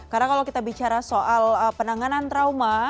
karena kalau kita bicara soal penanganan trauma